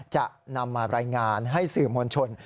จะนำมารายงานให้สื่อมวลชน